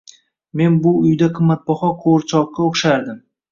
Men bu uyda qimmatbaho qo`g`irchoqqa o`xshardim